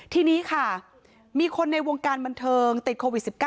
ทีนี้ค่ะมีคนในวงการบันเทิงติดโควิด๑๙